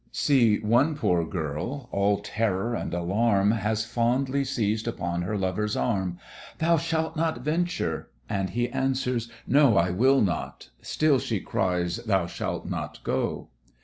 See one poor girl, all terror and alarm, Has fondly seized upon her lover's arm; "Thou shalt not venture;" and he answers "No! I will not:" still she cries, "Thou shalt not go."